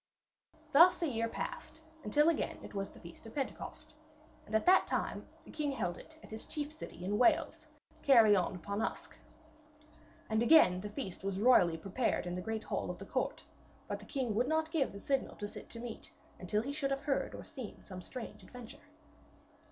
Thus a year passed, until again it was the feast of Pentecost, and at that time the king held it at his chief city in Wales, Caerleon upon Usk. And again the feast was royally prepared in the great hall of the court, but the king would not give the signal to sit to meat until he should have heard or seen some strange adventure.